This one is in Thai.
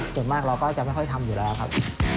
ส่วนมากเราก็จะไม่ค่อยทำอยู่แล้วครับ